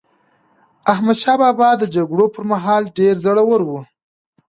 احمدشاه بابا د جګړو پر مهال ډېر زړور و.